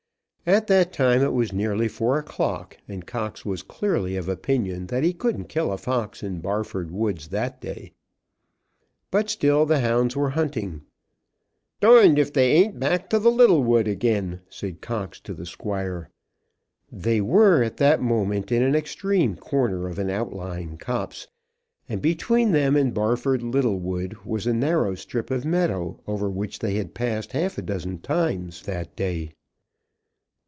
At that time it was nearly four o'clock, and Cox was clearly of opinion that he couldn't kill a fox in Barford Woods that day. But still the hounds were hunting. "Darned if they ain't back to the little wood again," said Cox to the Squire. They were at that moment in an extreme corner of an outlying copse, and between them and Barford Little Wood was a narrow strip of meadow, over which they had passed half a dozen times that day.